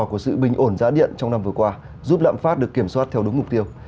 của sự bình ổn giá điện trong năm vừa qua giúp lạm phát được kiểm soát theo đúng mục tiêu